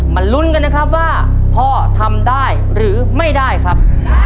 ลุ้นกันนะครับว่าพ่อทำได้หรือไม่ได้ครับ